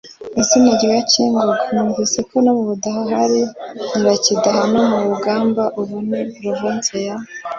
izina rya cyingogo. numviseko no mu budaha hari nyirakidaha. no mu bugamba (ubu ni provinsi ya